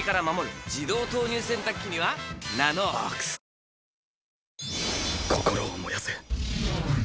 自動投入洗濯機には「ＮＡＮＯＸ」心を燃やせ。